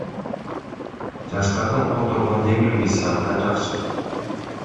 Жаштардын которгон демилгеси абдан жакшы.